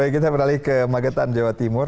kita beralih ke magetan jawa timur